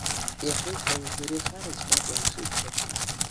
Иахьа иҟалаз иара ихаразшәа акәын ишиԥхьаӡоз.